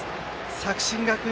作新学院